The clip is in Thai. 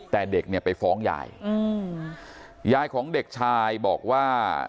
แต่เด็กเนี่ยไปฟ้องยายอืมยายของเด็กชายบอกว่า